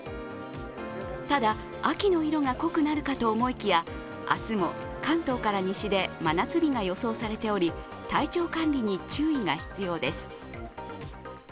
ただ、秋の色が濃くなるかと思いきや明日も関東から西で真夏日が予想されており体調管理に注意が必要です。